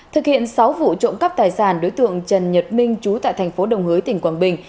thực hiện sáu vụ trộm cắp tài sản đối tượng trần nhật minh trú tại thành phố đồng hới tỉnh quảng bình